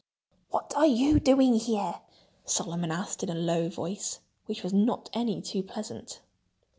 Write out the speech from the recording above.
"What are you doing here?" Solomon Owl asked in a low voice, which was not any too pleasant.